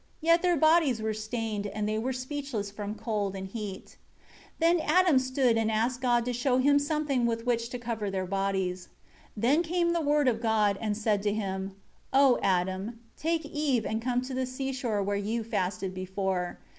Yet their bodies were stained, and they were speechless from cold and heat. 6 Then Adam stood and asked God to show him something with which to cover their bodies. 7 Then came the Word of God and said to him, "O Adam, take Eve and come to the seashore where you fasted before.